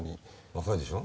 若いでしょ。